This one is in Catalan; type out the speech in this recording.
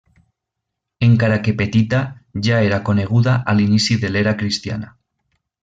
Encara que petita ja era coneguda a l'inici de l'era cristiana.